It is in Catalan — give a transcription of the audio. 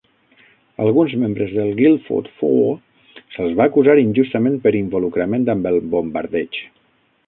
Alguns membres del Guildford Four se'ls va acusar injustament per involucrament amb el bombardeig.